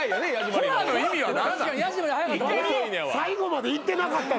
最後までいってなかった。